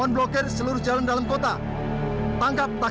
pak jalan pak